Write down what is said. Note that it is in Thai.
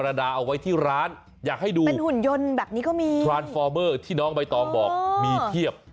เอาไว้ที่ร้านอยากให้ดูเป็นหุ่นยนต์แบบนี้ก็มีพรานฟอร์เมอร์ที่น้องใบตองบอกมีเพียบ